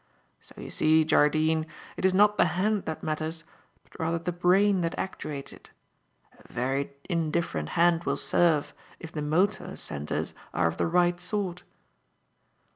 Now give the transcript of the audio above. So you see, Jardine, it is not the hand that matters, but rather the brain that actuates it. A very indifferent hand will serve if the motor centres are of the right sort."